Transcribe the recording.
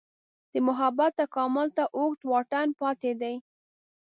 دې مبحث تکامل ته اوږد واټن پاتې دی